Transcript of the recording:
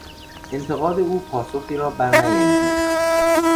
انتقاد او پاسخی را برنیانگیخت.